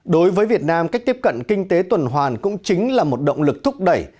đối với việt nam cách tiếp cận kinh tế tuần hoàn cũng chính là một động lực thúc đẩy